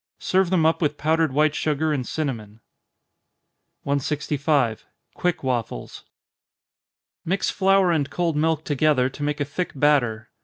Serve them up with powdered white sugar and cinnamon. 165. Quick Waffles. Mix flour and cold milk together, to make a thick batter.